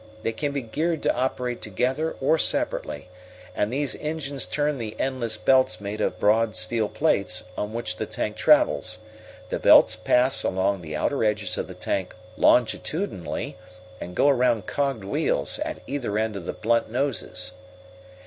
They can be geared to operate together or separately. And these engines turn the endless belts made of broad, steel plates, on which the tank travels. The belts pass along the outer edges of the tank longitudinally, and go around cogged wheels at either end of the blunt noses.